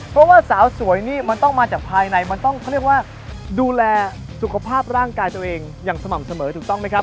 เพราะว่าสาวสวยนี่มันต้องมาจากภายในมันต้องเขาเรียกว่าดูแลสุขภาพร่างกายตัวเองอย่างสม่ำเสมอถูกต้องไหมครับ